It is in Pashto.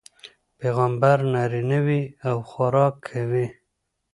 پيغمبر نارينه وي او خوراک کوي